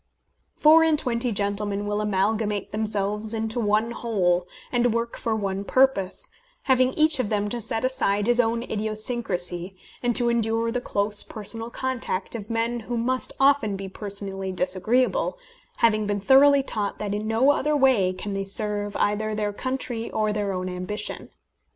Four and twenty gentlemen will amalgamate themselves into one whole, and work for one purpose, having each of them to set aside his own idiosyncrasy, and to endure the close personal contact of men who must often be personally disagreeable, having been thoroughly taught that in no other way can they serve either their country or their own ambition.